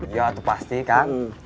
iya itu pasti kang